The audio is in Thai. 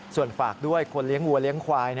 ส่วนฝากด้วยคนเลี้ยงวัวเลี้ยงควาย